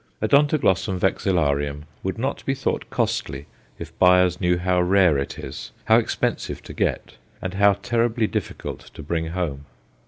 O. vexillarium would not be thought costly if buyers knew how rare it is, how expensive to get, and how terribly difficult to bring home.